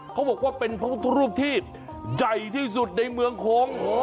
เขาบอกว่าเป็นพระพุทธรูปที่ใหญ่ที่สุดในเมืองโค้ง